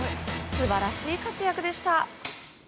素晴らしい活躍でした。